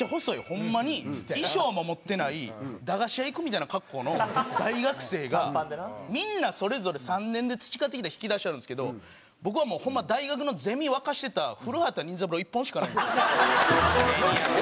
ホンマに衣装も持ってない駄菓子屋行くみたいな格好の大学生がみんなそれぞれ３年で培ってきた引き出しあるんですけど僕はもうホンマ大学のゼミ沸かしてた古畑任三郎一本しかないんですよマジで。